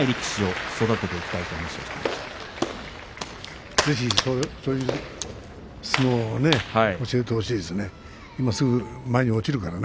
ぜひ、そういう相撲を教えてほしいですね。